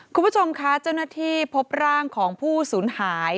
คุณผู้ชมคะเจ้าหน้าที่พบร่างของผู้สูญหาย